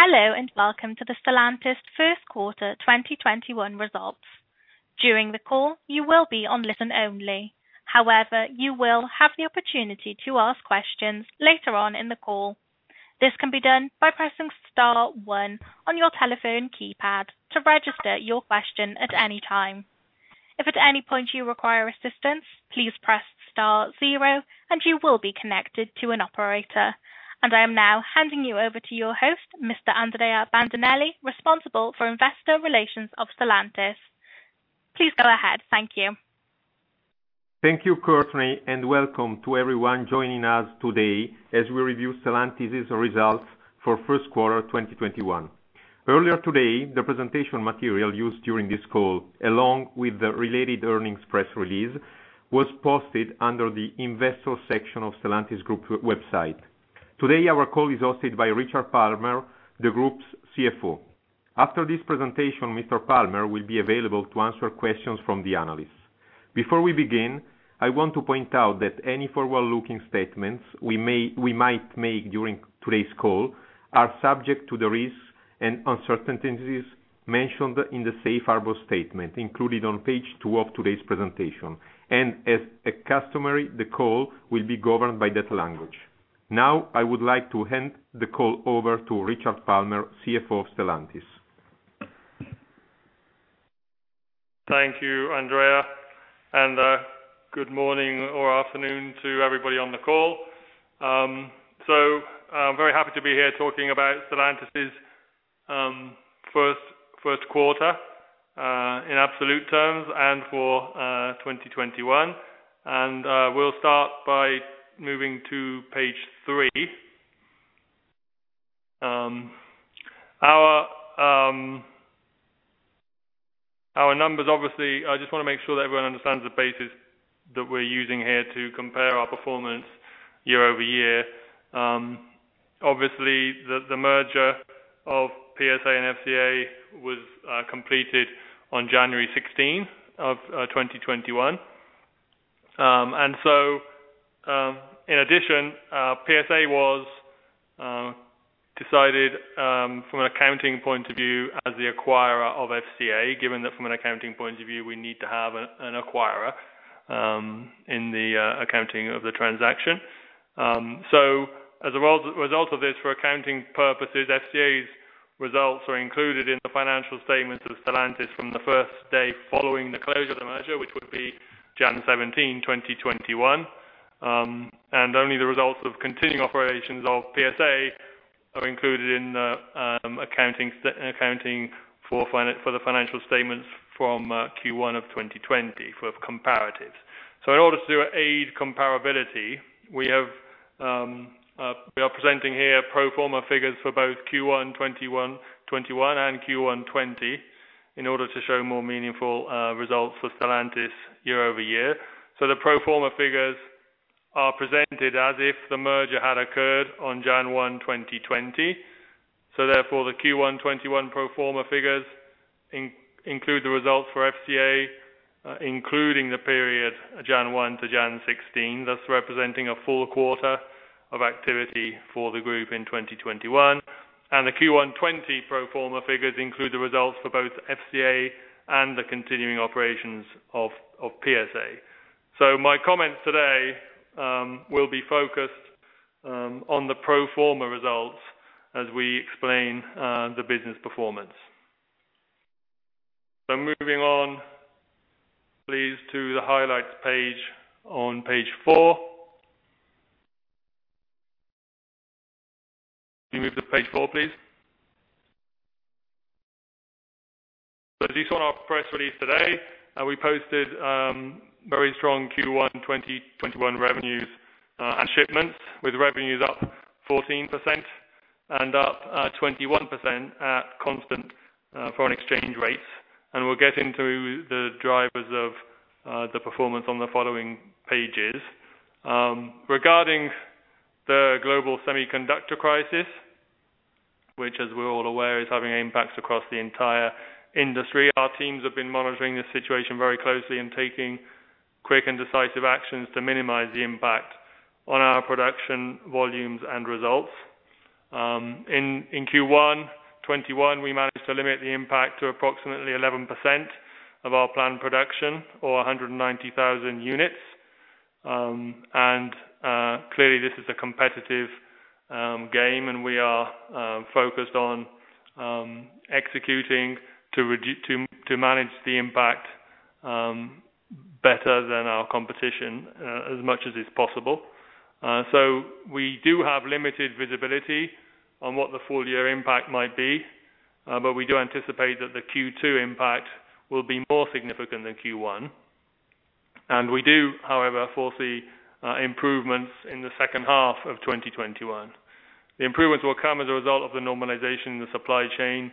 Hello, welcome to the Stellantis first quarter 2021 results. I am now handing you over to your host, Mr. Andrea Bandinelli, Responsible for Investor Relations of Stellantis. Please go ahead. Thank you. Thank you, Courtney, welcome to everyone joining us today as we review Stellantis' results for first quarter 2021. Earlier today, the presentation material used during this call, along with the related earnings press release, was posted under the investor section of Stellantis group website. Today our call is hosted by Richard Palmer, the group's CFO. After this presentation, Mr. Palmer will be available to answer questions from the analysts. Before we begin, I want to point out that any forward-looking statements we might make during today's call are subject to the risks and uncertainties mentioned in the safe harbor statement included on page two of today's presentation. As a customary, the call will be governed by that language. Now, I would like to hand the call over to Richard Palmer, CFO of Stellantis. Thank you, Andrea. Good morning or afternoon to everybody on the call. I'm very happy to be here talking about Stellantis' first quarter, in absolute terms and for 2021. We'll start by moving to page three. Our numbers, obviously, I just want to make sure that everyone understands the basis that we're using here to compare our performance year-over-year. The merger of PSA and FCA was completed on January 16th of 2021. In addition, PSA was decided, from an accounting point of view, as the acquirer of FCA, given that from an accounting point of view, we need to have an acquirer in the accounting of the transaction. As a result of this, for accounting purposes, FCA's results are included in the financial statements of Stellantis from the first day following the closure of the merger, which would be January 17th, 2021. Only the results of continuing operations of PSA are included in accounting for the financial statements from Q1 of 2020 for comparatives. In order to aid comparability, we are presenting here pro forma figures for both Q1 2021 and Q1 2020 in order to show more meaningful results for Stellantis year-over-year. The pro forma figures are presented as if the merger had occurred on January 1, 2020. Therefore, the Q1 2021 pro forma figures include the results for FCA, including the period January 1 to January 16, thus representing a full quarter of activity for the group in 2021. The Q1 2020 pro forma figures include the results for both FCA and the continuing operations of PSA. My comments today will be focused on the pro forma results as we explain the business performance. Moving on, please, to the highlights page on page four. Can you move to page four, please? As you saw in our press release today, we posted very strong Q1 2021 revenues and shipments, with revenues up 14% and up 21% at constant foreign exchange rates. We'll get into the drivers of the performance on the following pages. Regarding the global semiconductor crisis, which as we're all aware, is having impacts across the entire industry, our teams have been monitoring the situation very closely and taking quick and decisive actions to minimize the impact on our production volumes and results. In Q1 2021, we managed to limit the impact to approximately 11% of our planned production, or 190,000 units. Clearly, this is a competitive game, and we are focused on executing to manage the impact better than our competition as much as is possible. We do have limited visibility on what the full year impact might be. We do anticipate that the Q2 impact will be more significant than Q1. We do, however, foresee improvements in the second half of 2021. The improvements will come as a result of the normalization in the supply chain,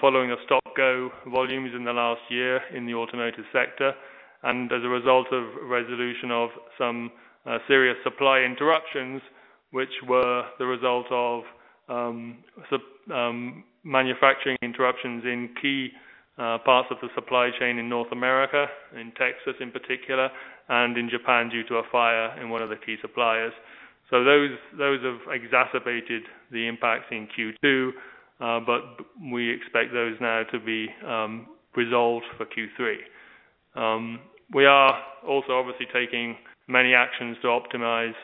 following a stop-go volumes in the last year in the automotive sector, and as a result of resolution of some serious supply interruptions, which were the result of manufacturing interruptions in key parts of the supply chain in North America, in Texas in particular, and in Japan due to a fire in one of the key suppliers. Those have exacerbated the impacts in Q2, but we expect those now to be resolved for Q3. We are also obviously taking many actions to optimize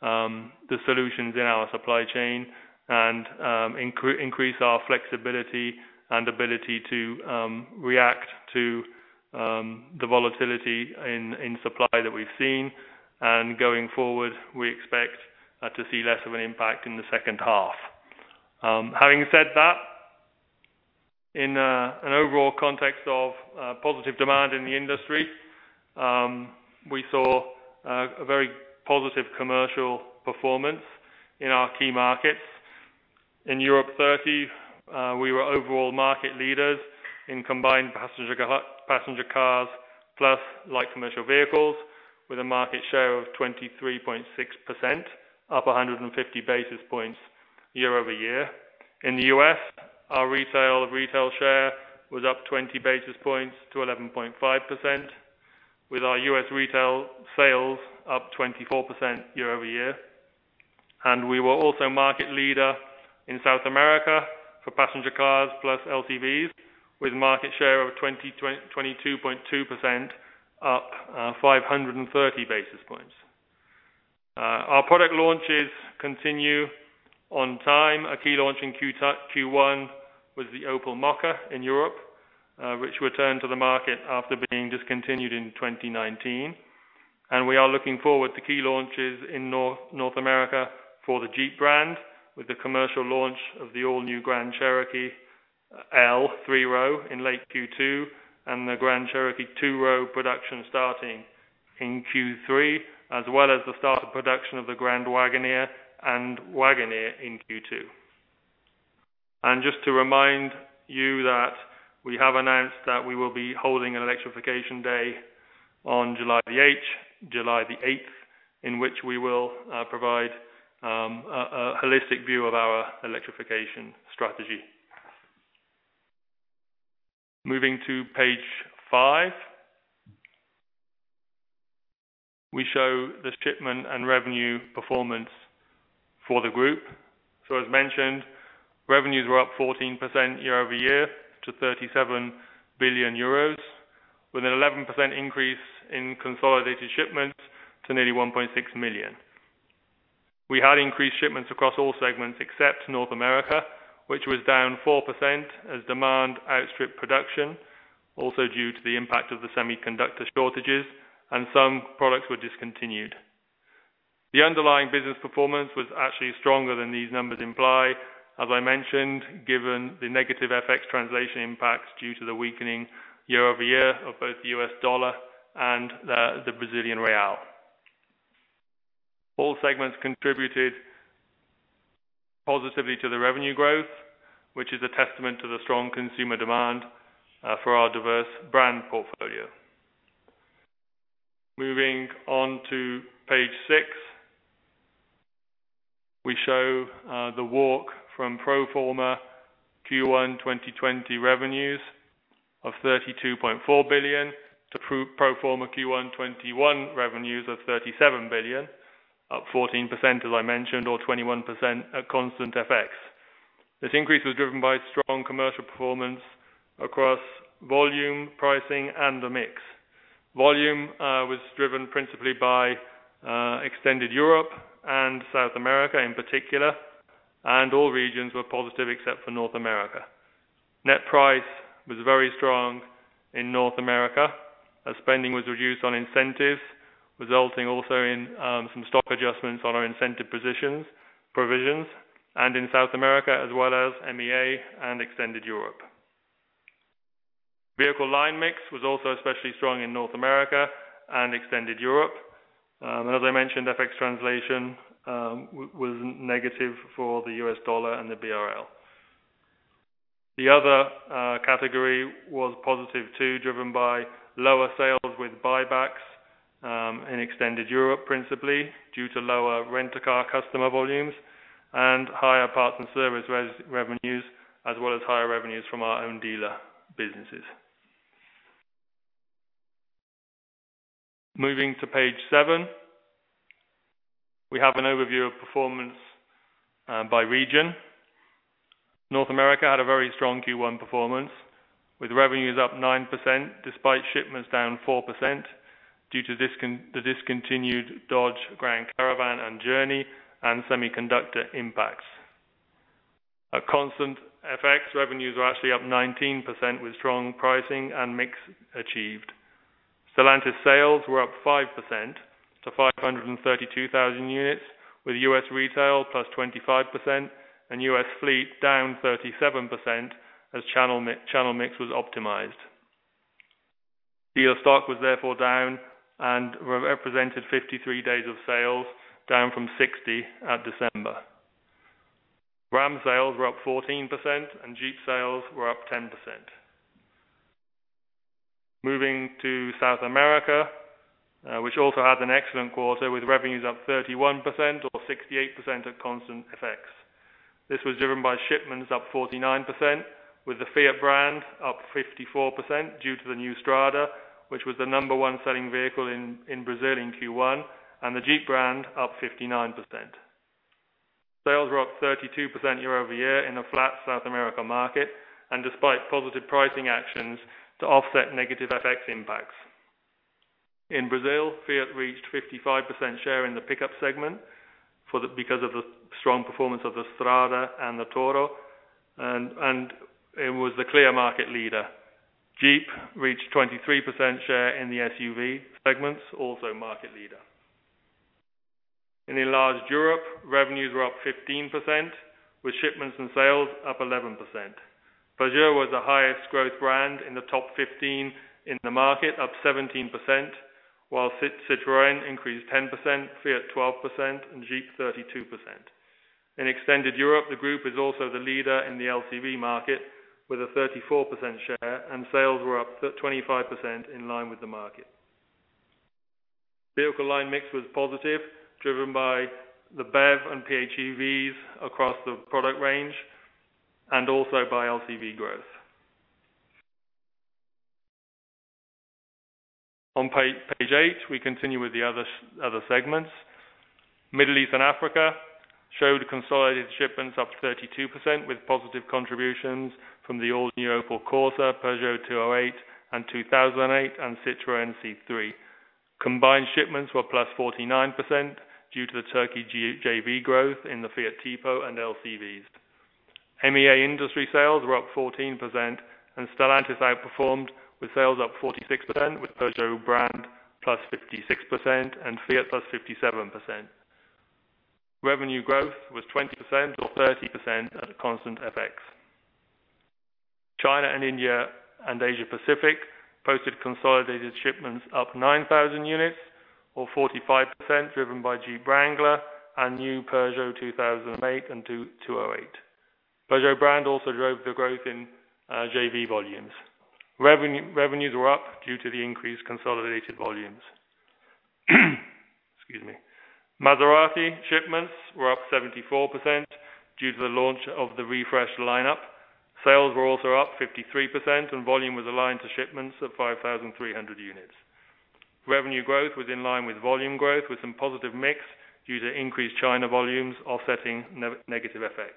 the solutions in our supply chain and increase our flexibility and ability to react to the volatility in supply that we've seen. Going forward, we expect to see less of an impact in the second half. Having said that, in an overall context of positive demand in the industry, we saw a very positive commercial performance in our key markets. In Europe 30, we were overall market leaders in combined passenger cars plus LCVs, with a market share of 23.6%, up 150 basis points year-over-year. In the U.S., our retail share was up 20 basis points to 11.5%, with our U.S. retail sales up 24% year-over-year. We were also market leader in South America for passenger cars plus LCVs, with a market share of 22.2% up 530 basis points. Our product launches continue on time. A key launch in Q1 was the Opel Mokka in Europe, which returned to the market after being discontinued in 2019. We are looking forward to key launches in North America for the Jeep brand, with the commercial launch of the all-new Grand Cherokee L, 3-Row, in late Q2, and the Grand Cherokee 2-Row production starting in Q3, as well as the start of production of the Grand Wagoneer and Wagoneer in Q2. Just to remind you that we have announced that we will be holding an electrification day on July the 8th, in which we will provide a holistic view of our electrification strategy. Moving to page five. We show the shipment and revenue performance for the group. As mentioned, revenues were up 14% year over year to 37 billion euros, with an 11% increase in consolidated shipments to nearly 1.6 million. We had increased shipments across all segments except North America, which was down 4% as demand outstripped production, also due to the impact of the semiconductor shortages and some products were discontinued. The underlying business performance was actually stronger than these numbers imply. As I mentioned, given the negative FX translation impacts due to the weakening year-over-year of both the U.S. dollar and the Brazilian real. All segments contributed positively to the revenue growth, which is a testament to the strong consumer demand for our diverse brand portfolio. Moving on to page six. We show the walk from pro forma Q1 2020 revenues of 32.4 billion to pro forma Q1 2021 revenues of 37 billion, up 14%, as I mentioned, or 21% at constant FX. This increase was driven by strong commercial performance across volume, pricing, and the mix. Volume was driven principally by extended Europe and South America in particular. All regions were positive except for North America. Net price was very strong in North America as spending was reduced on incentives, resulting also in some stock adjustments on our incentive provisions and in South America as well as MEA and extended Europe. Vehicle line mix was also especially strong in North America and extended Europe. As I mentioned, FX translation was negative for the U.S. dollar and the BRL. The other category was positive too, driven by lower sales with buybacks in extended Europe, principally due to lower rent-a-car customer volumes and higher parts and service revenues, as well as higher revenues from our own dealer businesses. Moving to page seven. We have an overview of performance by region. North America had a very strong Q1 performance with revenues up 9%, despite shipments down 4% due to the discontinued Dodge Grand Caravan and Journey and semiconductor impacts. At constant FX, revenues were actually up 19% with strong pricing and mix achieved. Stellantis sales were up 5% to 532,000 units, with U.S. retail +25% and U.S. fleet down 37% as channel mix was optimized. Dealer stock was therefore down and represented 53 days of sales, down from 60 at December. Ram sales were up 14% and Jeep sales were up 10%. Moving to South America, which also had an excellent quarter with revenues up 31% or 68% at constant FX. This was driven by shipments up 49%, with the Fiat brand up 54% due to the new Strada, which was the number one selling vehicle in Brazil in Q1, and the Jeep brand up 59%. Sales were up 32% year over year in a flat South America market, and despite positive pricing actions to offset negative FX impacts. In Brazil, Fiat reached 55% share in the pickup segment because of the strong performance of the Strada and the Toro, and it was the clear market leader. Jeep reached 23% share in the SUV segments, also market leader. In enlarged Europe, revenues were up 15%, with shipments and sales up 11%. Peugeot was the highest growth brand in the top 15 in the market, up 17%, while Citroën increased 10%, Fiat 12%, and Jeep 32%. In extended Europe, the group is also the leader in the LCV market with a 34% share, and sales were up 25% in line with the market. Vehicle line mix was positive, driven by the BEV and PHEVs across the product range, and also by LCV growth. On page eight, we continue with the other segments. Middle East and Africa showed consolidated shipments up 32%, with positive contributions from the all-new Opel Corsa, Peugeot 208 and 2008, and Citroën C3. Combined shipments were +49% due to the Turkey JV growth in the Fiat Tipo and LCVs. MEA industry sales were up 14%, and Stellantis outperformed with sales up 46%, with Peugeot brand +56% and Fiat +57%. Revenue growth was 20% or 30% at a constant FX. China and India and Asia Pacific posted consolidated shipments up 9,000 units or 45%, driven by Jeep Wrangler and new Peugeot 2008 and 208. Peugeot brand also drove the growth in JV volumes. Revenues were up due to the increased consolidated volumes. Excuse me. Maserati shipments were up 74% due to the launch of the refreshed lineup. Sales were also up 53%, and volume was aligned to shipments of 5,300 units. Revenue growth was in line with volume growth, with some positive mix due to increased China volumes offsetting negative FX.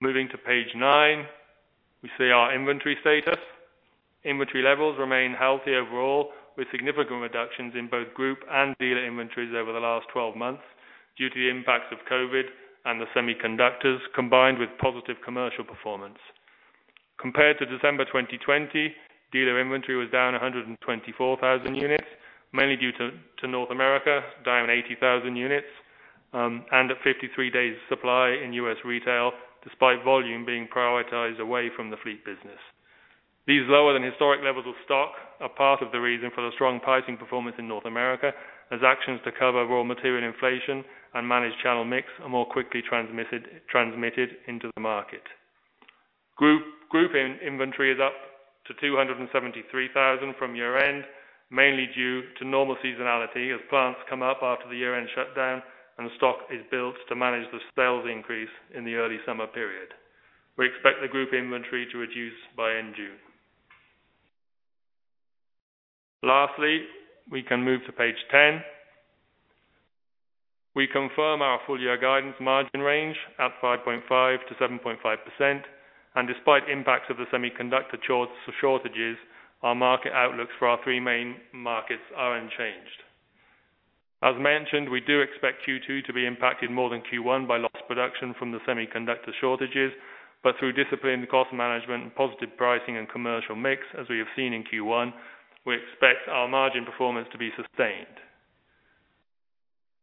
Moving to page nine, we see our inventory status. Inventory levels remain healthy overall, with significant reductions in both group and dealer inventories over the last 12 months due to the impacts of COVID and the semiconductors, combined with positive commercial performance. Compared to December 2020, dealer inventory was down 124,000 units, mainly due to North America, down 80,000 units, and at 53 days supply in U.S. retail, despite volume being prioritized away from the fleet business. These lower than historic levels of stock are part of the reason for the strong pricing performance in North America, as actions to cover raw material inflation and manage channel mix are more quickly transmitted into the market. Group inventory is up to 273,000 from year-end, mainly due to normal seasonality as plants come up after the year-end shutdown and stock is built to manage the sales increase in the early summer period. We expect the group inventory to reduce by end June. Lastly, we can move to page 10. We confirm our full year guidance margin range at 5.5%-7.5%, and despite impacts of the semiconductor shortages, our market outlooks for our three main markets are unchanged. As mentioned, we do expect Q2 to be impacted more than Q1 by lost production from the semiconductor shortages, but through disciplined cost management, positive pricing, and commercial mix, as we have seen in Q1, we expect our margin performance to be sustained.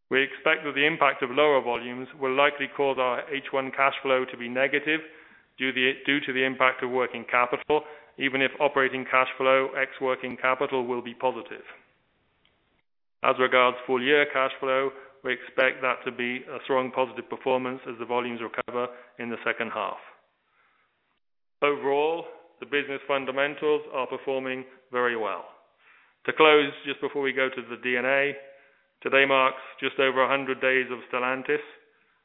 We expect that the impact of lower volumes will likely cause our H1 cash flow to be negative due to the impact of working capital, even if operating cash flow ex working capital will be positive. Regards full year cash flow, we expect that to be a strong positive performance as the volumes recover in the second half. The business fundamentals are performing very well. To close, just before we go to the Q&A, today marks just over 100 days of Stellantis,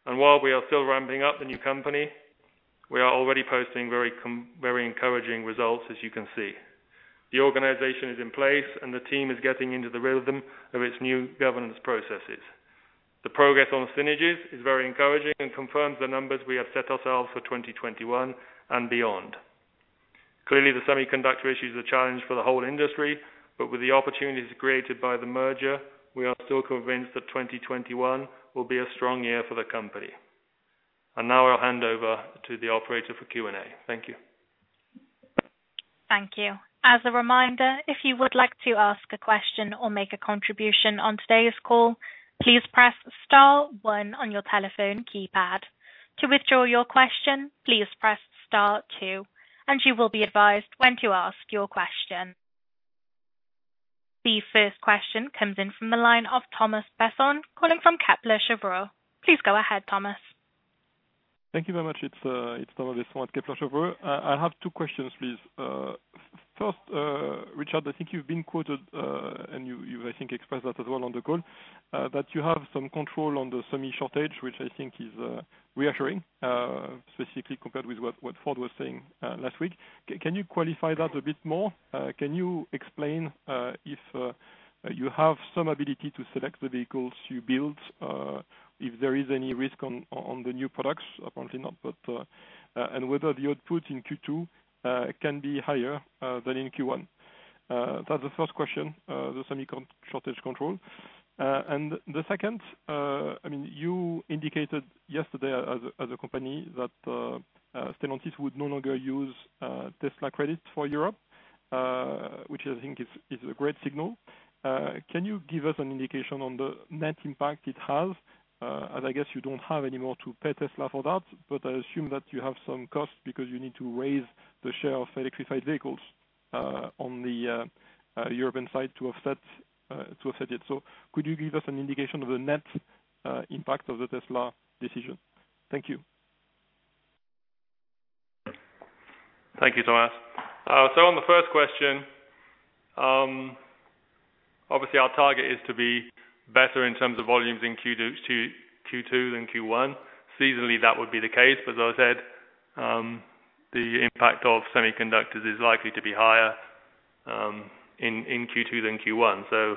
and while we are still ramping up the new company, we are already posting very encouraging results, as you can see. The organization is in place, and the team is getting into the rhythm of its new governance processes. The progress on synergies is very encouraging and confirms the numbers we have set ourselves for 2021 and beyond. Clearly, the semiconductor issue is a challenge for the whole industry. With the opportunities created by the merger, we are still convinced that 2021 will be a strong year for the company. Now I'll hand over to the operator for Q&A. Thank you. Thank you. As a reminder, if you would like to ask a question or make a contribution on today's call, please press star one on your telephone keypad. To withdraw your question, please press star two, and you will be advised when to ask your question. The first question comes in from the line of Thomas Besson, calling from Kepler Cheuvreux. Please go ahead, Thomas. Thank you very much. It's Thomas at Kepler Cheuvreux. I have two questions, please. First, Richard, I think you've been quoted, and you, I think, expressed that as well on the call, that you have some control on the semi shortage, which I think is reassuring, specifically compared with what Ford was saying last week. Can you qualify that a bit more? Can you explain if you have some ability to select the vehicles you build, if there is any risk on the new products? Apparently not, whether the output in Q2 can be higher than in Q1. That's the first question, the semi shortage control. The second, you indicated yesterday as a company that Stellantis would no longer use Tesla credits for Europe, which I think is a great signal. Can you give us an indication on the net impact it has? I guess you don't have any more to pay Tesla for that, but I assume that you have some cost because you need to raise the share of electrified vehicles on the European side to offset it. Could you give us an indication of the net impact of the Tesla decision? Thank you. Thank you, Thomas. On the first question, obviously our target is to be better in terms of volumes in Q2 than Q1. Seasonally, that would be the case, as I said, the impact of semiconductors is likely to be higher in Q2 than Q1.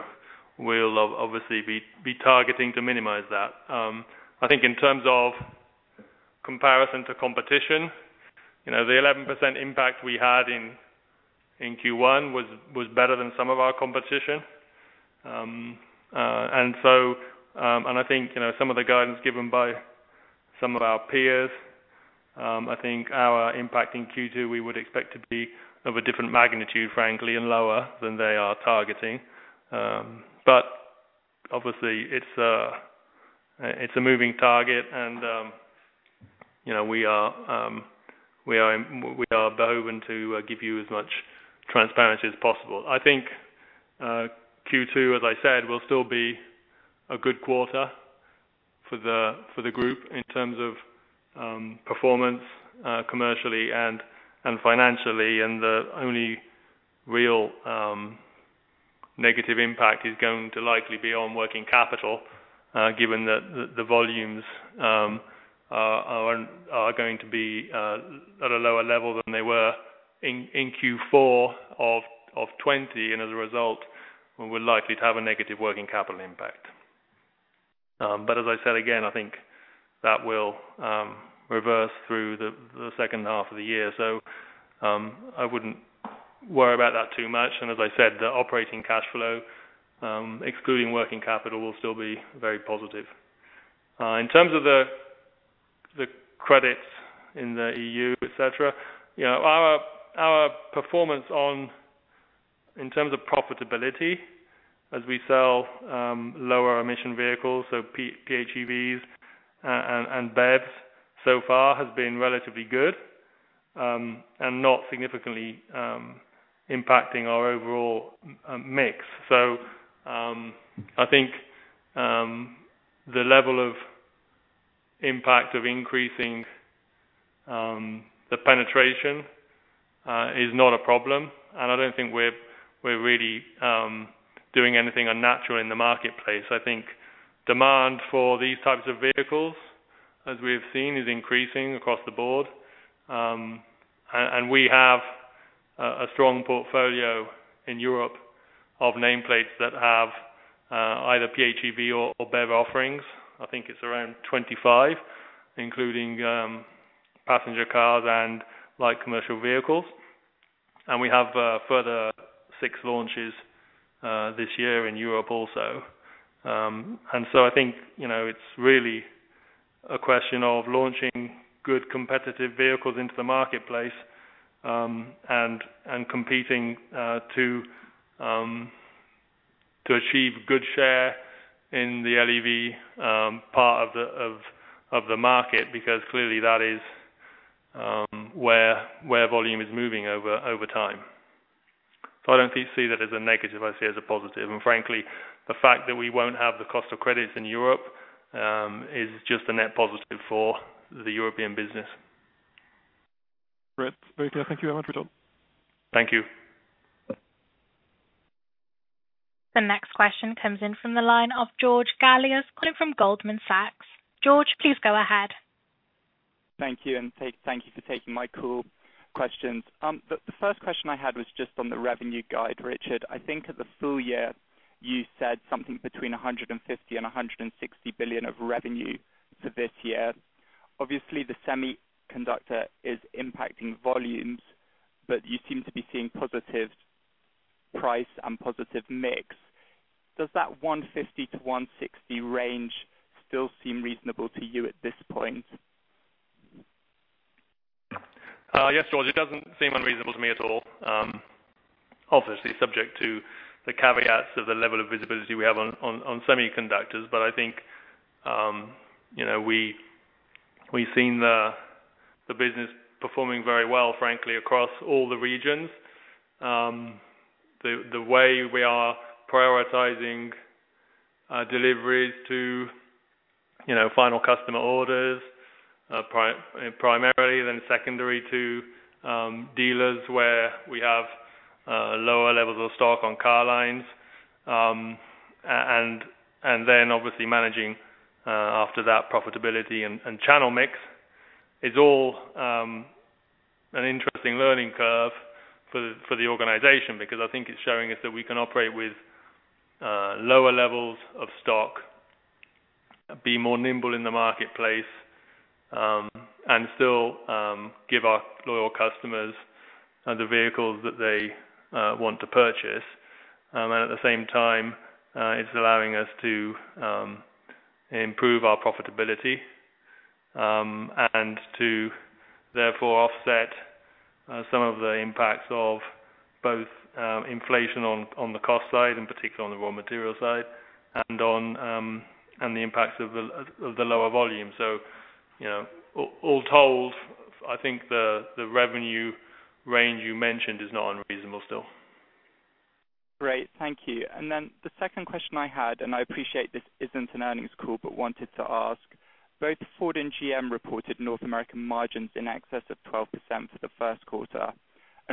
We'll obviously be targeting to minimize that. I think in terms of comparison to competition, the 11% impact we had in Q1 was better than some of our competition. I think, some of the guidance given by some of our peers, I think our impact in Q2, we would expect to be of a different magnitude, frankly, and lower than they are targeting. Obviously it's a moving target and we are bound to give you as much transparency as possible. I think Q2, as I said, will still be a good quarter for the group in terms of performance commercially and financially. The only real negative impact is going to likely be on working capital, given that the volumes are going to be at a lower level than they were in Q4 of 2020. As a result, we're likely to have a negative working capital impact. As I said again, I think that will reverse through the second half of the year. I wouldn't worry about that too much. As I said, the operating cash flow, excluding working capital, will still be very positive. In terms of the credits in the EU, et cetera, our performance in terms of profitability, as we sell lower emission vehicles, so PHEVs and BEVs so far has been relatively good and not significantly impacting our overall mix. I think the level of impact of increasing the penetration is not a problem, and I don't think we're really doing anything unnatural in the marketplace. I think demand for these types of vehicles, as we have seen, is increasing across the board. We have a strong portfolio in Europe of nameplates that have either PHEV or BEV offerings. I think it's around 25, including passenger cars and light commercial vehicles. We have a further six launches this year in Europe also. I think, it's really a question of launching good competitive vehicles into the marketplace, and competing to achieve good share in the LEV part of the market, because clearly that is where volume is moving over time. I don't see that as a negative, I see it as a positive. Frankly, the fact that we won't have the cost of credits in Europe is just a net positive for the European business. Great. Very clear. Thank you very much, Richard. Thank you. The next question comes in from the line of George Galliers, coming from Goldman Sachs. George, please go ahead. Thank you. Thank you for taking my call questions. The first question I had was just on the revenue guide, Richard. I think at the full year, you said something between 150 billion-160 billion of revenue for this year. Obviously, the semiconductor is impacting volumes, but you seem to be seeing positive price and positive mix. Does that 150 billion-160 billion range still seem reasonable to you at this point? Yes, George, it doesn't seem unreasonable to me at all. Obviously subject to the caveats of the level of visibility we have on semiconductors. I think we've seen the business performing very well, frankly, across all the regions. The way we are prioritizing deliveries to final customer orders primarily, then secondary to dealers where we have lower levels of stock on car lines. Obviously managing after that profitability and channel mix is all an interesting learning curve for the organization, because I think it's showing us that we can operate with lower levels of stock, be more nimble in the marketplace, and still give our loyal customers the vehicles that they want to purchase. At the same time, it's allowing us to improve our profitability, and to therefore offset some of the impacts of both inflation on the cost side, in particular on the raw material side, and the impacts of the lower volume. All told, I think the revenue range you mentioned is not unreasonable still. Great. Thank you. The second question I had, and I appreciate this isn't an earnings call, but wanted to ask, both Ford and GM reported North American margins in excess of 12% for the first quarter.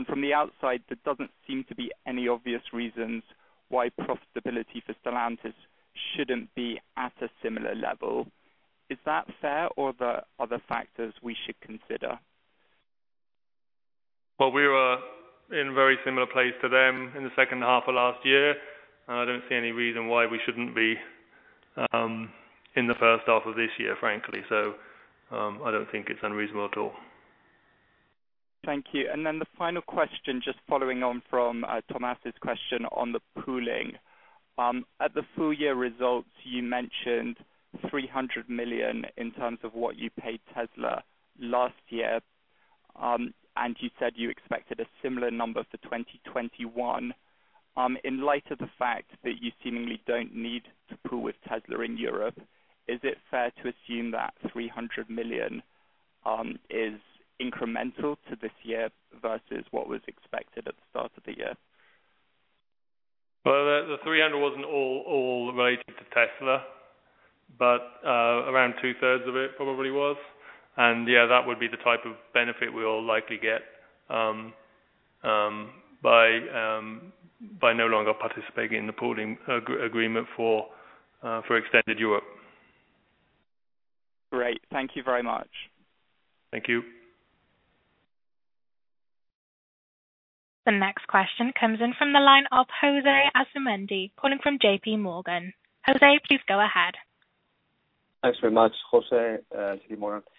From the outside, there doesn't seem to be any obvious reasons why profitability for Stellantis shouldn't be at a similar level. Is that fair or are there other factors we should consider? Well, we were in a very similar place to them in the second half of last year. I don't see any reason why we shouldn't be in the first half of this year, frankly. I don't think it's unreasonable at all. Thank you. The final question, just following on from Thomas's question on the pooling. At the full year results, you mentioned 300 million in terms of what you paid Tesla last year. You said you expected a similar number for 2021. In light of the fact that you seemingly don't need to pool with Tesla in Europe, is it fair to assume that 300 million is incremental to this year versus what was expected at the start of the year? The 300 million wasn't all related to Tesla, but around 2/3 of it probably was. That would be the type of benefit we will likely get by no longer participating in the pooling agreement for extended Europe. Great. Thank you very much. Thank you. The next question comes in from the line of José Asumendi, calling from JPMorgan. Jose, please go ahead. Thanks very much, José.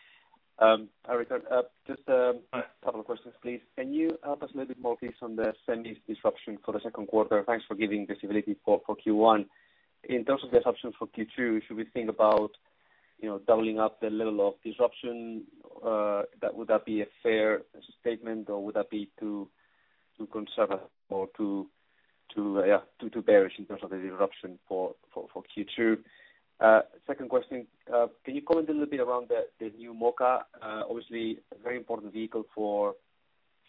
Hi Richard, just a couple of questions, please. Can you help us a little bit more, please, on the semi disruption for the second quarter? Thanks for giving the stability for Q1. In terms of the disruption for Q2, should we think about doubling up the level of disruption? Would that be a fair statement, or would that be too conservative or too bearish in terms of the disruption for Q2? Second question, can you comment a little bit around the new Mokka? Obviously, a very important vehicle for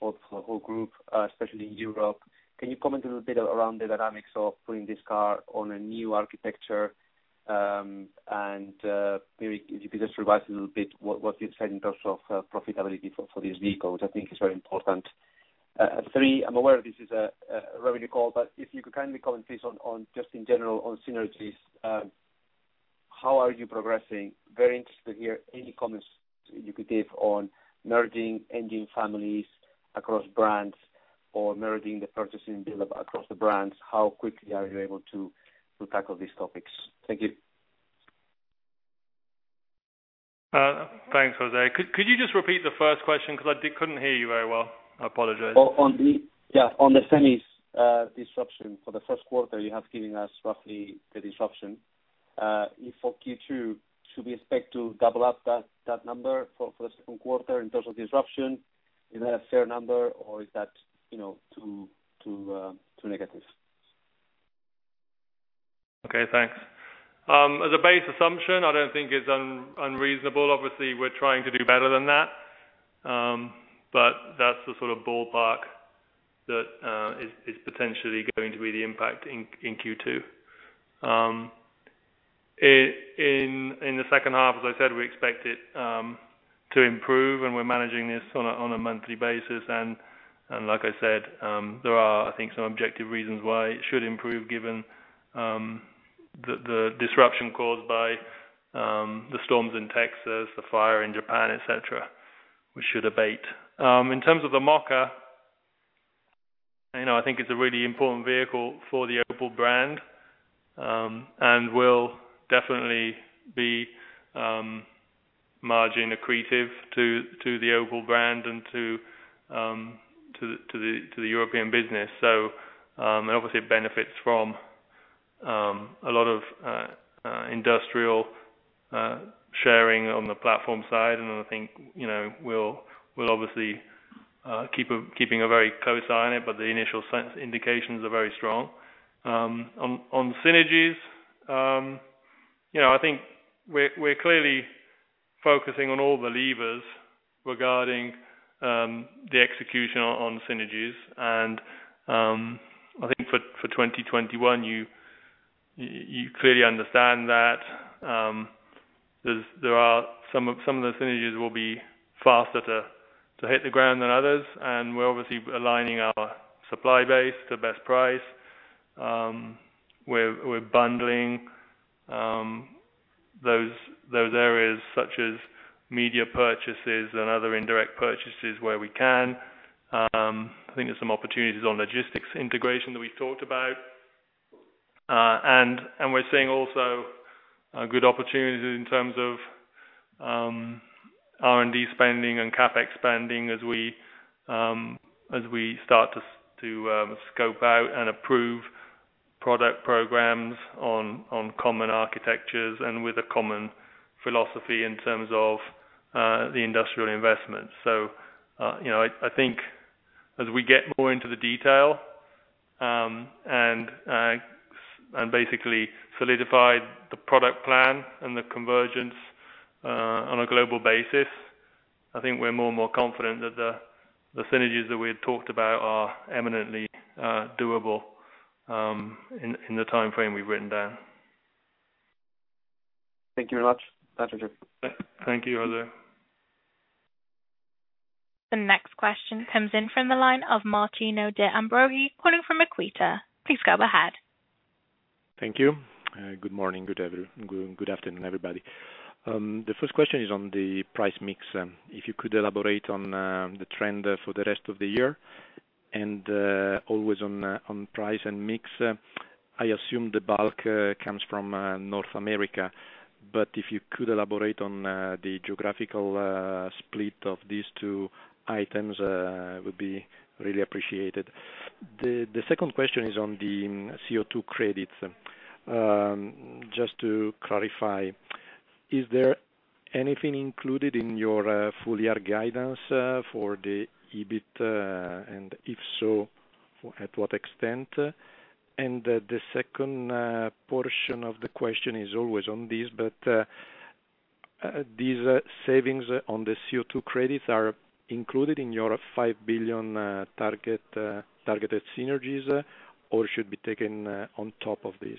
the whole group, especially in Europe. Can you comment a little bit around the dynamics of putting this car on a new architecture? Maybe if you could just revise a little bit what the insight in terms of profitability for these vehicles, I think is very important. Three, I am aware this is a revenue call, but if you could kindly comment, please, on just in general on synergies. How are you progressing? Very interested to hear any comments you could give on merging engine families across brands or merging the purchasing bill across the brands. How quickly are you able to tackle these topics? Thank you. Thanks, José. Could you just repeat the first question because I couldn't hear you very well. I apologize. On the semi disruption for the first quarter, you have given us roughly the disruption. For Q2, should we expect to double up that number for the second quarter in terms of disruption? Is that a fair number or is that too negative? Okay, thanks. As a base assumption, I don't think it's unreasonable. Obviously, we are trying to do better than that. That's the sort of ballpark that is potentially going to be the impact in Q2. In the second half, as I said, we expect it to improve, and we are managing this on a monthly basis. Like I said, there are, I think, some objective reasons why it should improve given the disruption caused by the storms in Texas, the fire in Japan, et cetera. We should abate. In terms of the Mokka, I think it's a really important vehicle for the Opel brand, and will definitely be margin accretive to the Opel brand and to the European business. Obviously, it benefits from a lot of industrial sharing on the platform side. I think we'll obviously keeping a very close eye on it. The initial indications are very strong. On synergies, I think we are clearly focusing on all the levers regarding the execution on synergies. I think for 2021, you clearly understand that some of the synergies will be faster to hit the ground than others. We are obviously aligning our supply base to best price. We're bundling those areas such as media purchases and other indirect purchases where we can. I think there are some opportunities on logistics integration that we talked about. We are seeing also good opportunities in terms of R&D spending and CapEx spending as we start to scope out and approve product programs on common architectures and with a common philosophy in terms of the industrial investment. I think as we get more into the detail and basically solidify the product plan and the convergence on a global basis, I think we are more and more confident that the synergies that we had talked about are eminently doable in the timeframe we have written down. Thank you very much. Thank you, José. The next question comes in from the line of Martino De Ambroggi, calling from Equita. Please go ahead. Thank you. Good morning. Good afternoon, everybody. The first question is on the price mix. If you could elaborate on the trend for the rest of the year and always on price and mix. I assume the bulk comes from North America, but if you could elaborate on the geographical split of these two items, it would be really appreciated. The second question is on the CO2 credits. Just to clarify, is there anything included in your full-year guidance for the EBIT? If so, at what extent? The second portion of the question is always on this, but these savings on the CO2 credits are included in your 5 billion targeted synergies or should be taken on top of this?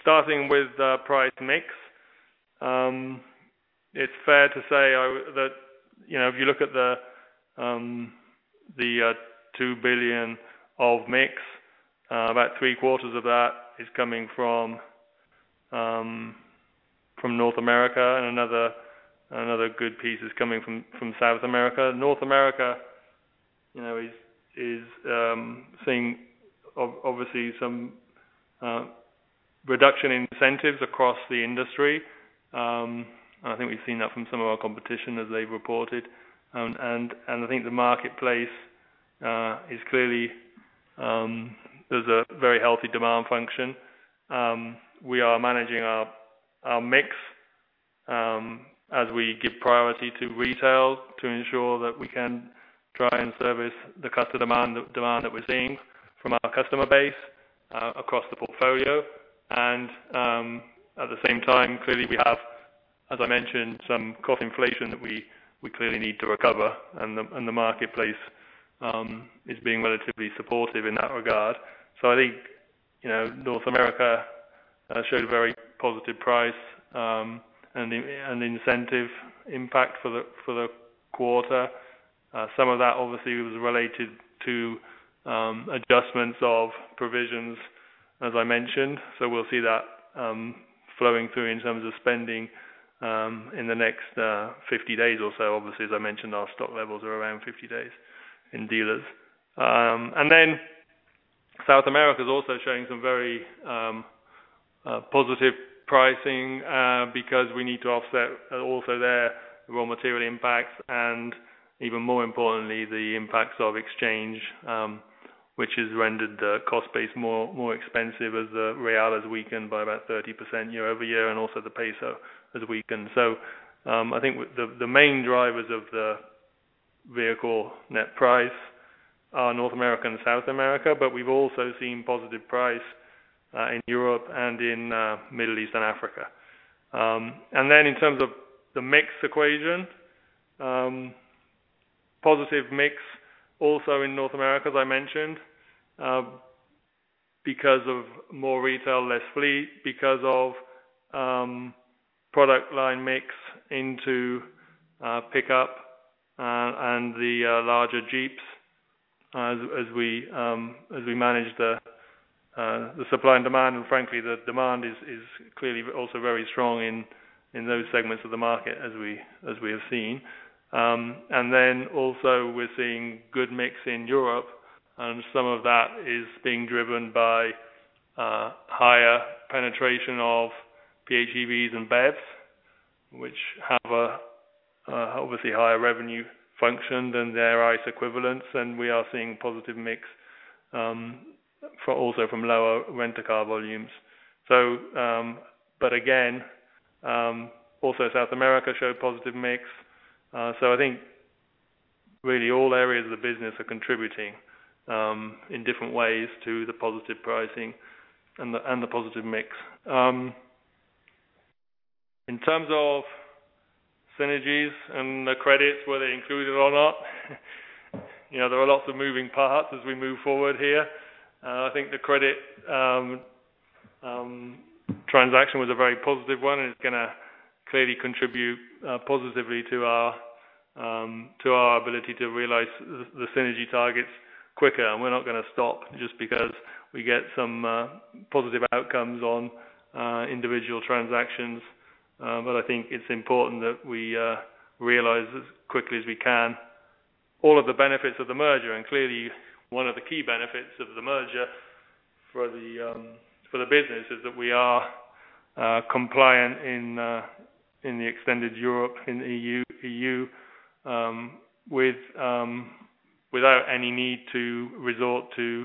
Starting with the price mix. It is fair to say that if you look at the 2 billion of mix, about three quarters of that is coming from North America and another good piece is coming from South America. North America is seeing obviously some reduction in incentives across the industry. I think we have seen that from some of our competition as they have reported. I think the marketplace is clearly, there is a very healthy demand function. We are managing our mix as we give priority to retail to ensure that we can try and service the demand that we are seeing from our customer base across the portfolio. At the same time, clearly we have, as I mentioned, some cost inflation that we clearly need to recover and the marketplace is being relatively supportive in that regard. I think North America showed a very positive price and incentive impact for the quarter. Some of that obviously was related to adjustments of provisions as I mentioned. We will see that flowing through in terms of spending in the next 50 days or so. Obviously, as I mentioned, our stock levels are around 50 days in dealers. South America is also showing some very positive pricing because we need to offset also their raw material impacts and even more importantly, the impacts of exchange, which has rendered the cost base more expensive as the real has weakened by about 30% year-over-year and also the peso has weakened. I think the main drivers of the vehicle net price are North America and South America, but we have also seen positive price in Europe and in Middle East and Africa. In terms of the mix equation, positive mix also in North America, as I mentioned because of more retail, less fleet, because of product line mix into pickup and the larger Jeeps as we manage the supply and demand. The demand is clearly also very strong in those segments of the market as we have seen. We are seeing good mix in Europe and some of that is being driven by higher penetration of PHEVs and BEVs, which have a obviously higher revenue function than their ICE equivalents. We are seeing positive mix also from lower rent-a-car volumes. Also South America showed positive mix. Really all areas of the business are contributing in different ways to the positive pricing and the positive mix. In terms of synergies and the credits, were they included or not, there are lots of moving parts as we move forward here. I think the credit transaction was a very positive one, and it's going to clearly contribute positively to our ability to realize the synergy targets quicker. We're not going to stop just because we get some positive outcomes on individual transactions. I think it's important that we realize as quickly as we can all of the benefits of the merger. Clearly, one of the key benefits of the merger for the business is that we are compliant in the extended Europe, in EU, without any need to resort to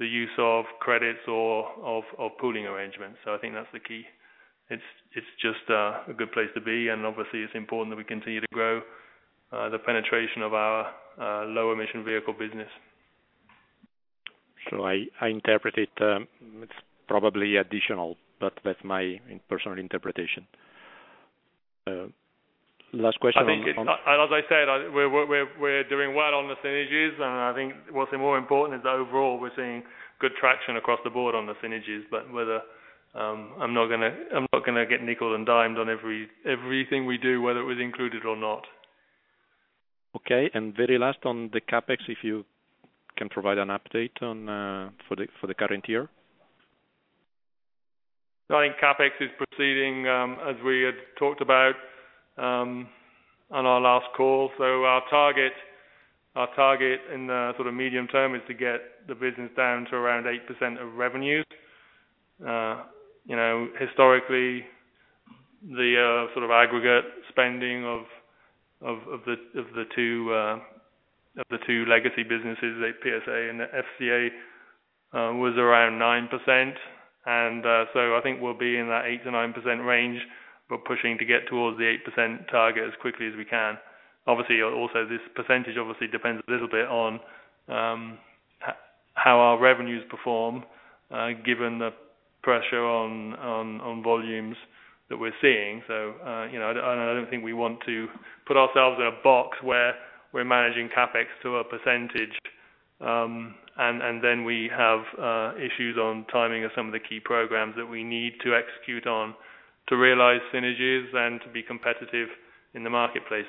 the use of credits or pooling arrangements. I think that's the key. It's just a good place to be, and obviously, it's important that we continue to grow the penetration of our low emission vehicle business. I interpret it's probably additional, but that's my personal interpretation. As I said, we're doing well on the synergies, and I think what's more important is that overall, we're seeing good traction across the board on the synergies. I'm not going to get nickeled and dimed on everything we do, whether it was included or not. Okay. Very last on the CapEx, if you can provide an update for the current year. I think CapEx is proceeding as we had talked about on our last call. Our target in the medium term is to get the business down to around 8% of revenues. Historically, the aggregate spending of the two legacy businesses at PSA and the FCA was around 9%. I think we'll be in that 8%-9% range, but pushing to get towards the 8% target as quickly as we can. This percentage obviously depends a little bit on how our revenues perform, given the pressure on volumes that we're seeing. I don't think we want to put ourselves in a box where we're managing CapEx to a percentage, and then we have issues on timing of some of the key programs that we need to execute on to realize synergies and to be competitive in the marketplace.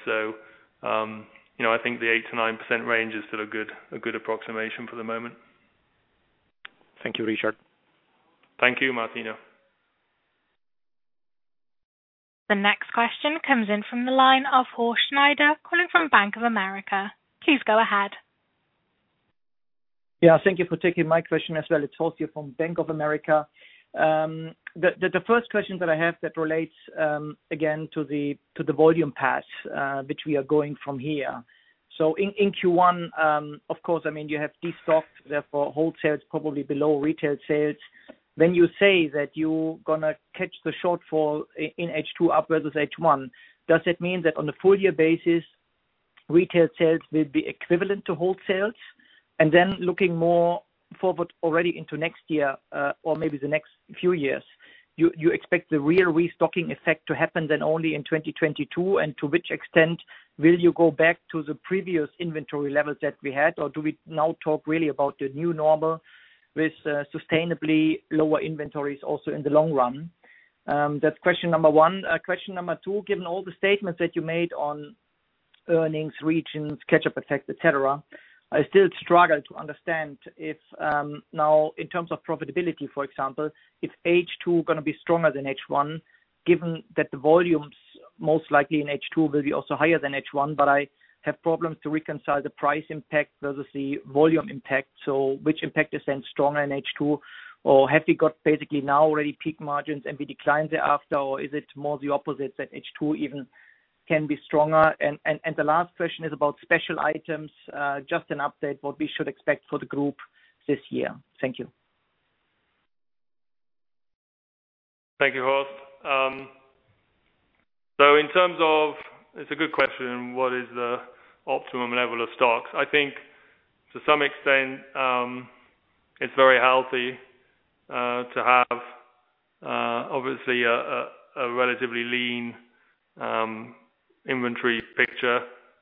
I think the 8%-9% range is still a good approximation for the moment. Thank you, Richard. Thank you, Martino. The next question comes in from the line of Horst Schneider, calling from Bank of America. Please go ahead. Yeah, thank you for taking my question as well. It's Horst here from Bank of America. The first question that I have that relates again to the volume path which we are going from here. In Q1, of course, you have destocked, therefore wholesales probably below retail sales. When you say that you're going to catch the shortfall in H2 upwards of H1, does it mean that on a full year basis, retail sales will be equivalent to wholesales? Looking more forward already into next year, or maybe the next few years, you expect the real restocking effect to happen then only in 2022? To which extent will you go back to the previous inventory levels that we had, or do we now talk really about the new normal with sustainably lower inventories also in the long run? That's question number one. Question number two, given all the statements that you made on earnings, regions, catch-up effect, et cetera, I still struggle to understand if now, in terms of profitability, for example, if H2 going to be stronger than H1, given that the volumes most likely in H2 will be also higher than H1. I have problems to reconcile the price impact versus the volume impact. Which impact is then stronger in H2? Have we got basically now already peak margins and we decline thereafter, or is it more the opposite that H2 even can be stronger? The last question is about special items. Just an update, what we should expect for the group this year. Thank you. Thank you, Horst. It's a good question, what is the optimum level of stocks? I think to some extent, it's very healthy to have obviously a relatively lean inventory picture.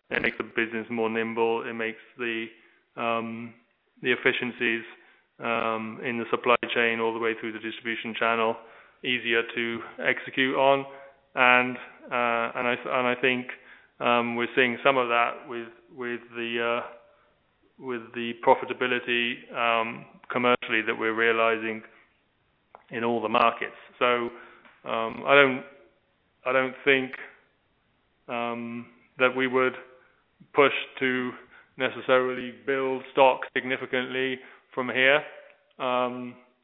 It makes the business more nimble. It makes the efficiencies in the supply chain all the way through the distribution channel easier to execute on. And I think we're seeing some of that with the profitability commercially that we're realizing in all the markets. So I don't think that we would push to necessarily build stock significantly from here. I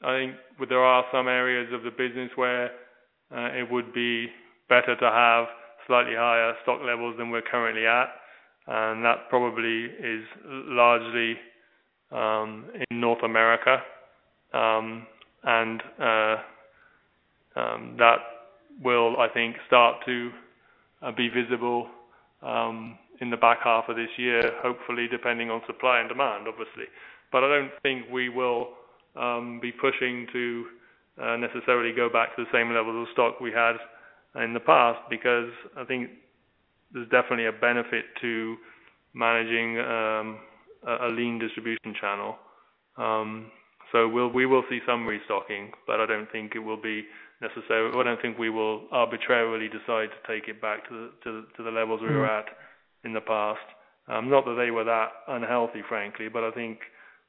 think there are some areas of the business where it would be better to have slightly higher stock levels than we're currently at, and that probably is largely in North America. That will, I think, start to be visible in the back half of this year, hopefully, depending on supply and demand, obviously. I don't think we will be pushing to necessarily go back to the same levels of stock we had in the past, because I think there's definitely a benefit to managing a lean distribution channel. We will see some restocking, but I don't think we will arbitrarily decide to take it back to the levels we were at in the past. Not that they were that unhealthy, frankly, but I think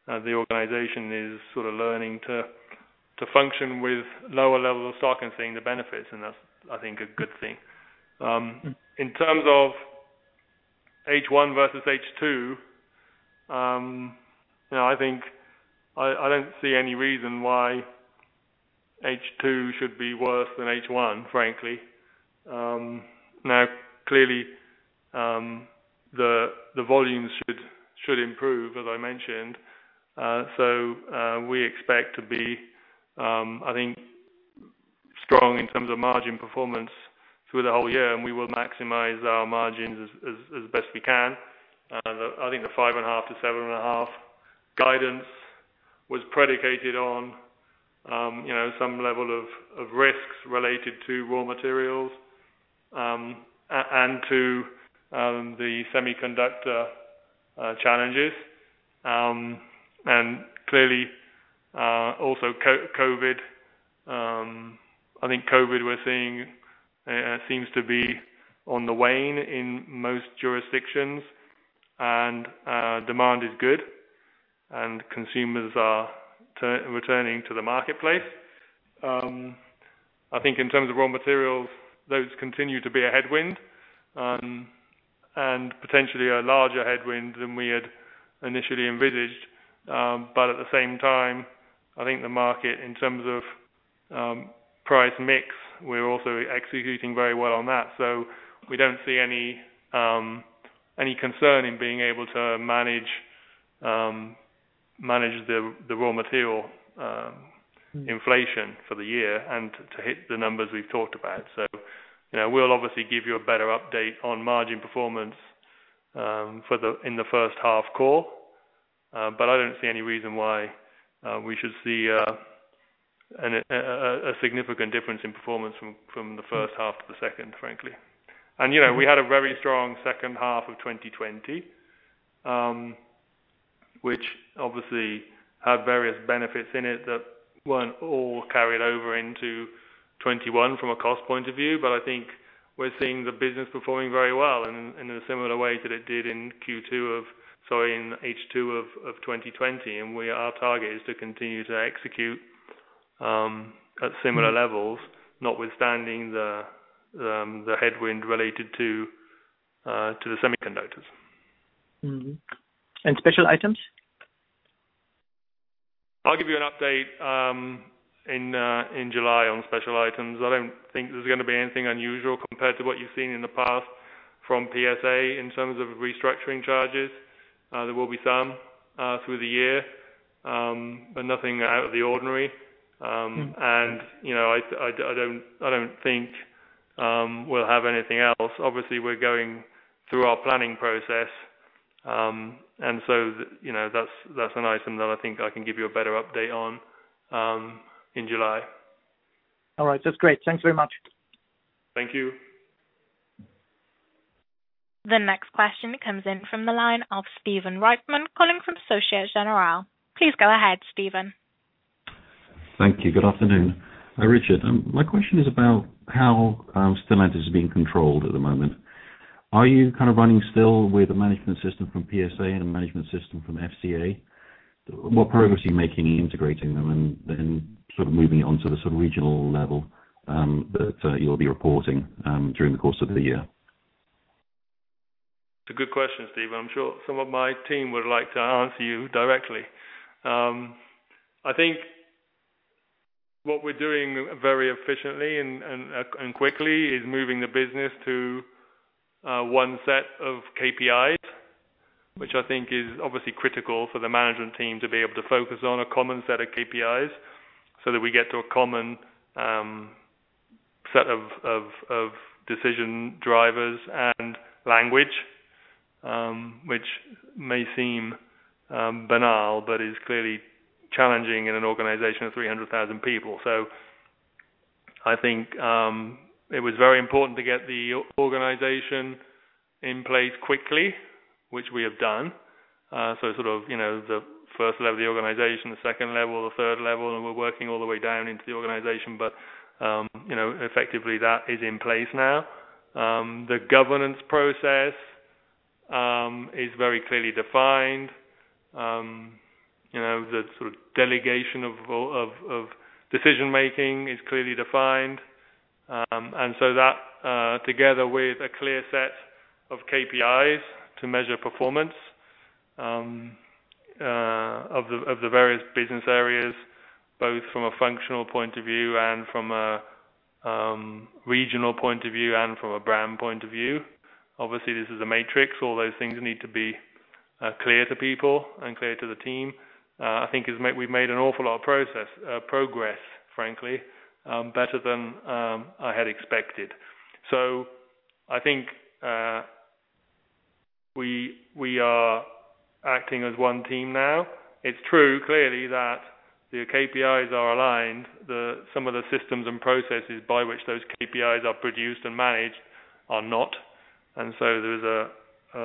the organization is sort of learning to function with lower levels of stock and seeing the benefits, and that's, I think, a good thing. In terms of H1 versus H2, I don't see any reason why H2 should be worse than H1, frankly. Clearly, the volumes should improve, as I mentioned. We expect to be, I think, strong in terms of margin performance through the whole year, and we will maximize our margins as best we can. I think the 5.5%-7.5% guidance was predicated on some level of risks related to raw materials and to the semiconductor challenges. Clearly, also COVID. I think COVID we're seeing seems to be on the wane in most jurisdictions, and demand is good, and consumers are returning to the marketplace. I think in terms of raw materials, those continue to be a headwind and potentially a larger headwind than we had initially envisaged. At the same time, I think the market, in terms of price mix, we're also executing very well on that. We don't see any concern in being able to manage the raw material inflation for the year and to hit the numbers we've talked about. We'll obviously give you a better update on margin performance in the first half call. I don't see any reason why we should see a significant difference in performance from the first half to the second, frankly. We had a very strong second half of 2020, which obviously had various benefits in it that weren't all carried over into 2021 from a cost point of view. I think we're seeing the business performing very well in a similar way that it did in H2 of 2020. Our target is to continue to execute at similar levels, notwithstanding the headwind related to the semiconductors. Mm-hmm. Special items? I'll give you an update in July on special items. I don't think there's going to be anything unusual compared to what you've seen in the past from PSA in terms of restructuring charges. There will be some through the year, but nothing out of the ordinary. I don't think we'll have anything else. Obviously, we're going through our planning process. That's an item that I think I can give you a better update on in July. All right. That's great. Thanks very much. Thank you. The next question comes in from the line of Stephen Reitman, calling from Société Générale. Please go ahead, Stephen. Thank you. Good afternoon. Richard, my question is about how Stellantis is being controlled at the moment. Are you kind of running still with a management system from PSA and a management system from FCA? What progress are you making in integrating them and then sort of moving it onto the regional level that you'll be reporting during the course of the year? It's a good question, Stephen. I'm sure some of my team would like to answer you directly. I think what we're doing very efficiently and quickly is moving the business to one set of KPIs. Which I think is obviously critical for the management team to be able to focus on a common set of KPIs so that we get to a common set of decision drivers and language. Which may seem banal, but is clearly challenging in an organization of 300,000 people. I think it was very important to get the organization in place quickly, which we have done. Sort of the first level of the organization, the second level, the third level, and we're working all the way down into the organization. Effectively, that is in place now. The governance process is very clearly defined. The sort of delegation of decision-making is clearly defined. That, together with a clear set of KPIs to measure performance of the various business areas, both from a functional point of view and from a regional point of view and from a brand point of view. Obviously, this is a matrix. All those things need to be clear to people and clear to the team. I think we've made an awful lot of progress, frankly, better than I had expected. I think we are acting as one team now. It's true, clearly, that the KPIs are aligned. Some of the systems and processes by which those KPIs are produced and managed are not. There's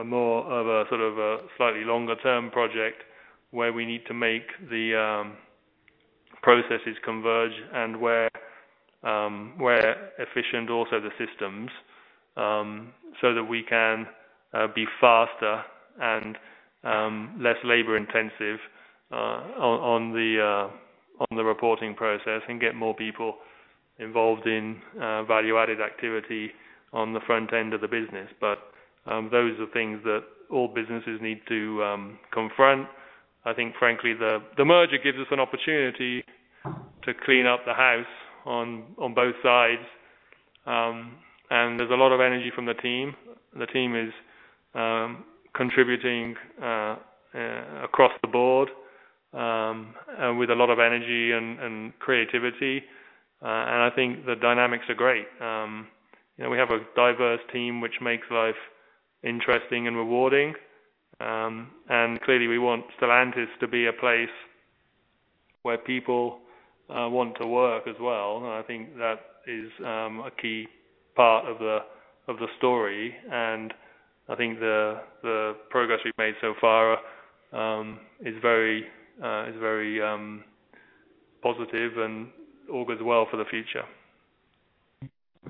more of a slightly longer-term project where we need to make the processes converge and where efficient also the systems, so that we can be faster and less labor-intensive on the reporting process and get more people involved in value-added activity on the front end of the business. Those are things that all businesses need to confront. I think, frankly, the merger gives us an opportunity to clean up the house on both sides. There's a lot of energy from the team. The team is contributing across the board with a lot of energy and creativity. I think the dynamics are great. We have a diverse team, which makes life interesting and rewarding. Clearly, we want Stellantis to be a place where people want to work as well. I think that is a key part of the story, and I think the progress we've made so far is very positive and all goes well for the future.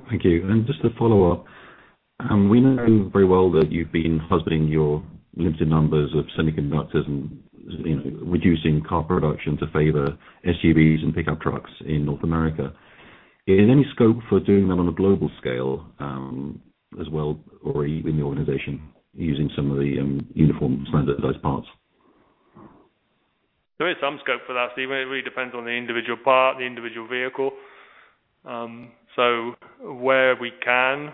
Thank you. Just to follow up, we know very well that you've been husbanding your limited numbers of semiconductors and reducing car production to favor SUVs and pickup trucks in North America. Is any scope for doing that on a global scale as well, or even the organization using some of the uniform standardized parts? There is some scope for that, Stephen. It really depends on the individual part, the individual vehicle. Where we can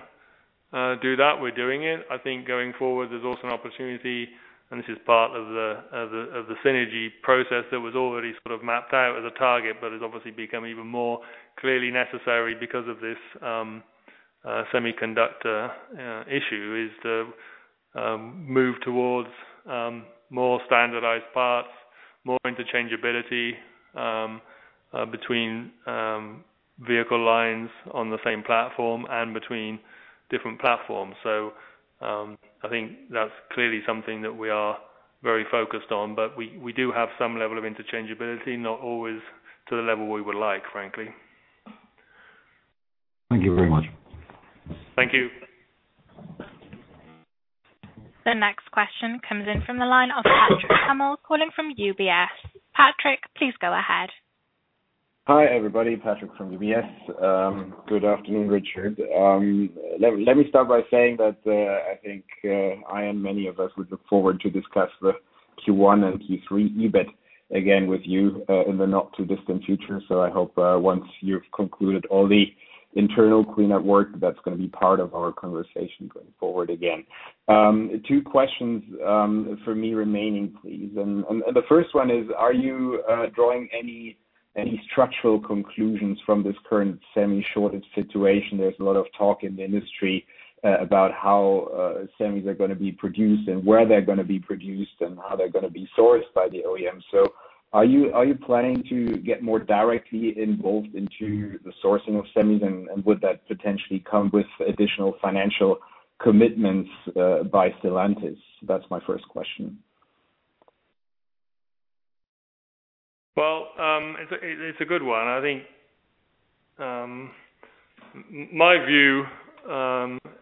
do that, we're doing it. I think going forward, there's also an opportunity, and this is part of the synergy process that was already sort of mapped out as a target, but has obviously become even more clearly necessary because of this semiconductor issue, is to move towards more standardized parts, more interchangeability between vehicle lines on the same platform and between different platforms. I think that's clearly something that we are very focused on, but we do have some level of interchangeability, not always to the level we would like, frankly. Thank you very much. Thank you. The next question comes in from the line of Patrick Hummel, calling from UBS. Patrick, please go ahead. Hi, everybody. Patrick from UBS. Good afternoon, Richard. Let me start by saying that I think I and many of us would look forward to discuss the Q1 and Q3 EBIT again with you in the not-too-distant future. I hope once you've concluded all the internal clean-up work, that's going to be part of our conversation going forward again. Two questions for me remaining, please. The first one is, are you drawing any structural conclusions from this current semi shortage situation? There's a lot of talk in the industry about how semis are going to be produced and where they're going to be produced and how they're going to be sourced by the OEM. Are you planning to get more directly involved into the sourcing of semis, and would that potentially come with additional financial commitments by Stellantis? That's my first question. Well, it's a good one. I think, my view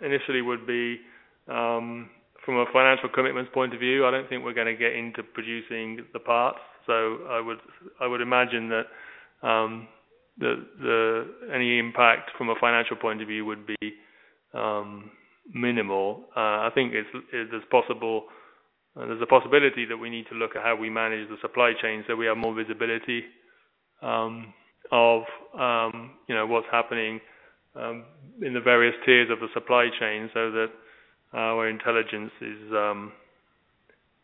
initially would be from a financial commitment point of view, I don't think we're going to get into producing the parts. I would imagine that any impact from a financial point of view would be minimal. I think there's a possibility that we need to look at how we manage the supply chain so we have more visibility of what's happening in the various tiers of the supply chain so that our intelligence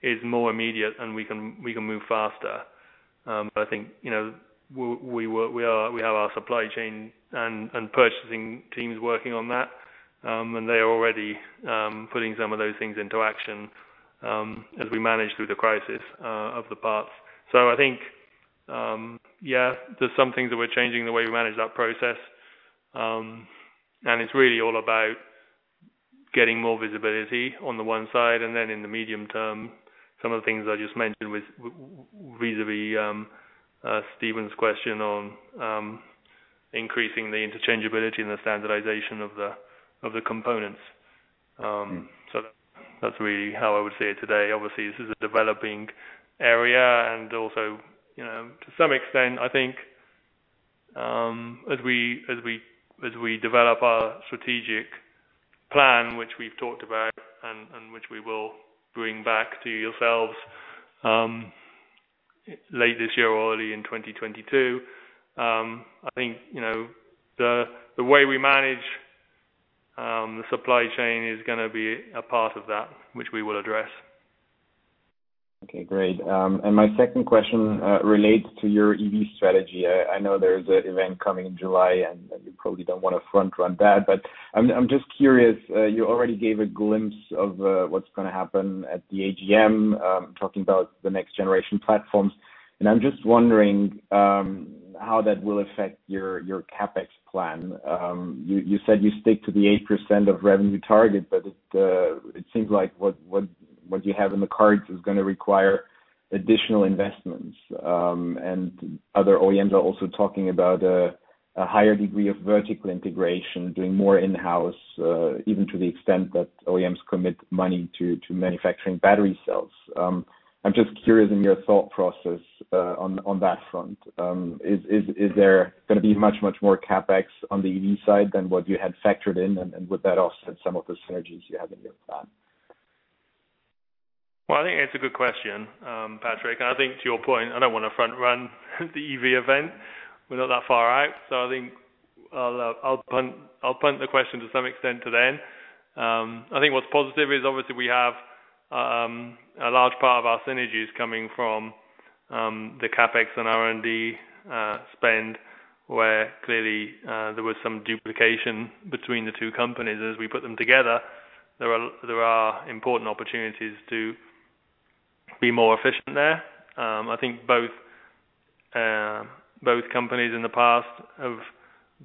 is more immediate and we can move faster. I think we have our supply chain and purchasing teams working on that, and they are already putting some of those things into action as we manage through the crisis of the parts. I think, yeah, there's some things that we're changing the way we manage that process. It's really all about getting more visibility on the one side, and then in the medium term, some of the things I just mentioned with vis-a-vis Stephen's question on increasing the interchangeability and the standardization of the components. That's really how I would see it today. Obviously, this is a developing area and also, to some extent, I think as we develop our strategic plan, which we've talked about and which we will bring back to yourselves late this year or early in 2022, I think the way we manage the supply chain is going to be a part of that, which we will address. Okay, great. My second question relates to your EV strategy. I know there's an event coming in July. You probably don't want to front run that. I'm just curious. You already gave a glimpse of what's going to happen at the AGM, talking about the next generation platforms. I'm just wondering how that will affect your CapEx plan. You said you stick to the 8% of revenue target. It seems like what you have in the cards is going to require additional investments. Other OEMs are also talking about a higher degree of vertical integration, doing more in-house, even to the extent that OEMs commit money to manufacturing battery cells. I'm just curious in your thought process on that front. Is there going to be much, much more CapEx on the EV side than what you had factored in? Would that offset some of the synergies you have in your plan? Well, I think it's a good question, Patrick. I think to your point, I don't want to front run the EV event. We're not that far out. I think I'll punt the question to some extent till then. I think what's positive is obviously we have a large part of our synergies coming from the CapEx and R&D spend, where clearly there was some duplication between the two companies. As we put them together, there are important opportunities to be more efficient there. I think both companies in the past have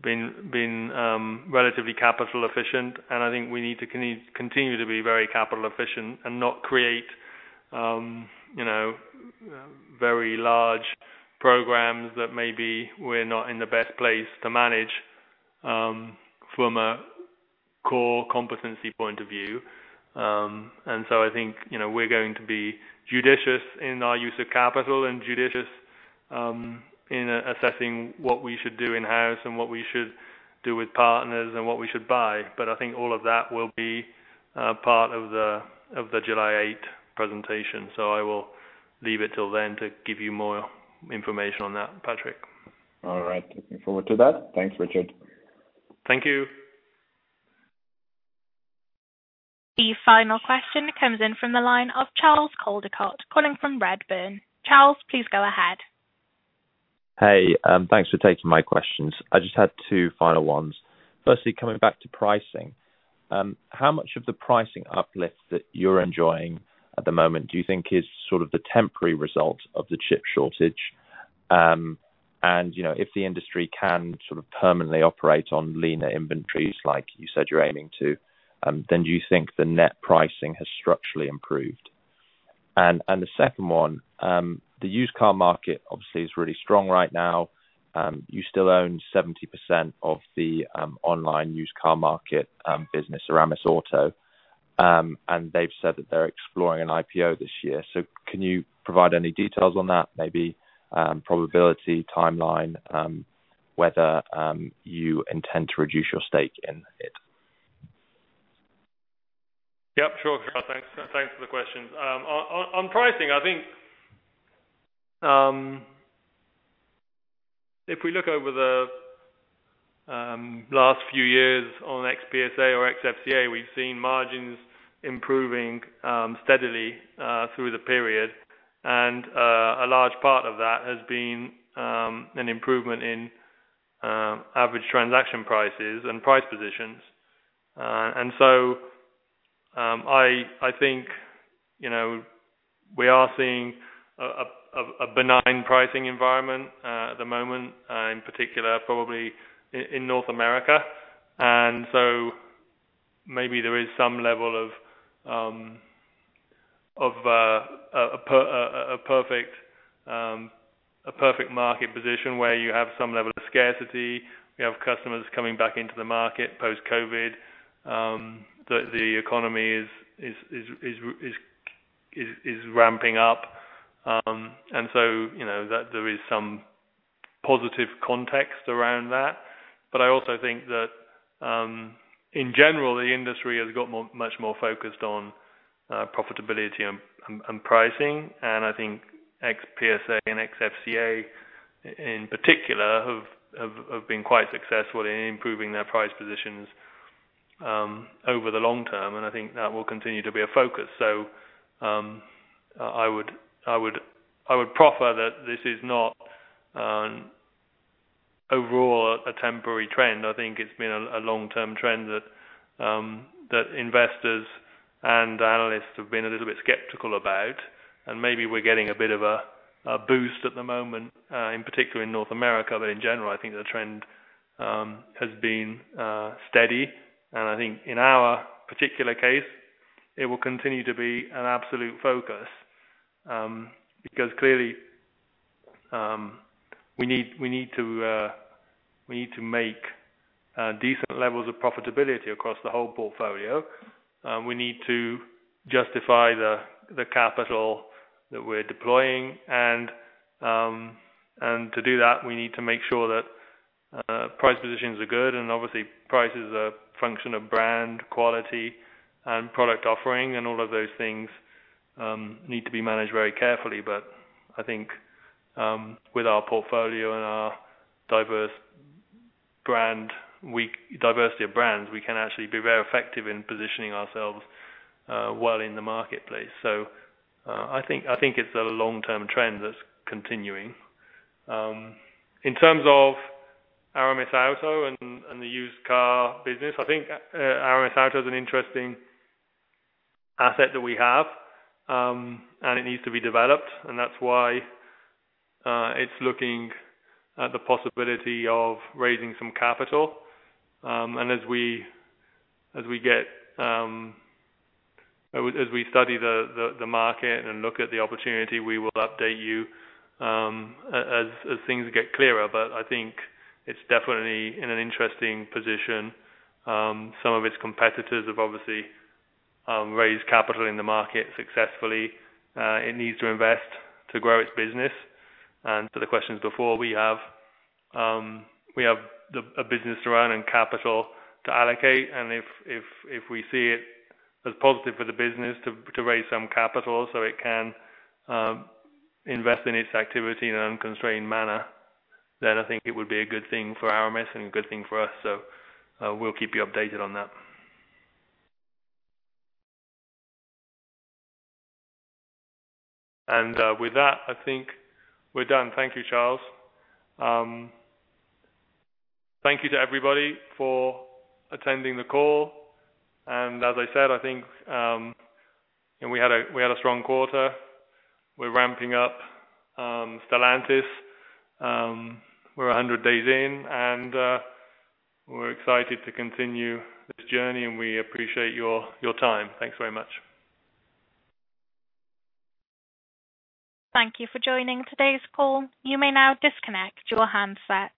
been relatively capital efficient, and I think we need to continue to be very capital efficient and not create very large programs that maybe we're not in the best place to manage from a core competency point of view. I think we're going to be judicious in our use of capital and judicious in assessing what we should do in-house and what we should do with partners and what we should buy. I think all of that will be a part of the July 8 presentation. I will leave it till then to give you more information on that, Patrick. All right. Looking forward to that. Thanks, Richard. Thank you. The final question comes in from the line of Charles Coldicott, calling from Redburn. Charles, please go ahead. Hey, thanks for taking my questions. I just had two final ones. Coming back to pricing. How much of the pricing uplift that you're enjoying at the moment do you think is sort of the temporary result of the chip shortage? If the industry can sort of permanently operate on leaner inventories like you said you're aiming to, do you think the net pricing has structurally improved? The second one, the used car market obviously is really strong right now. You still own 70% of the online used car market business, Aramisauto, they've said that they're exploring an IPO this year. Can you provide any details on that? Maybe probability, timeline, whether you intend to reduce your stake in it. Yep, sure, Charles. Thanks for the questions. On pricing, I think if we look over the last few years on ex-PSA or ex-FCA, we've seen margins improving steadily through the period. A large part of that has been an improvement in average transaction prices and price positions. I think we are seeing a benign pricing environment at the moment, in particular probably in North America. Maybe there is some level of a perfect market position where you have some level of scarcity. We have customers coming back into the market post-COVID. The economy is ramping up. There is some positive context around that. I also think that in general, the industry has got much more focused on profitability and pricing. I think ex-PSA and ex-FCA in particular have been quite successful in improving their price positions over the long term. I think that will continue to be a focus. I would proffer that this is not overall a temporary trend. I think it's been a long-term trend that investors and analysts have been a little bit skeptical about, and maybe we're getting a bit of a boost at the moment, in particular in North America. In general, I think the trend has been steady. I think in our particular case, it will continue to be an absolute focus, because clearly, we need to make decent levels of profitability across the whole portfolio. We need to justify the capital that we're deploying. To do that, we need to make sure that price positions are good and obviously price is a function of brand, quality and product offering and all of those things need to be managed very carefully. I think with our portfolio and our diversity of brands, we can actually be very effective in positioning ourselves well in the marketplace. I think it's a long-term trend that's continuing. In terms of Aramisauto and the used car business, I think Aramisauto is an interesting asset that we have, and it needs to be developed, and that's why it's looking at the possibility of raising some capital. As we study the market and look at the opportunity, we will update you as things get clearer. I think it's definitely in an interesting position. Some of its competitors have obviously raised capital in the market successfully. It needs to invest to grow its business. To the questions before, we have a business to run and capital to allocate, and if we see it as positive for the business to raise some capital so it can invest in its activity in an unconstrained manner, then I think it would be a good thing for Aramis and a good thing for us. We'll keep you updated on that. With that, I think we're done. Thank you, Charles. Thank you to everybody for attending the call, and as I said, I think we had a strong quarter. We're ramping up Stellantis. We're 100 days in, and we're excited to continue this journey, and we appreciate your time. Thanks very much. Thank you for joining today's call. You may now disconnect your handset.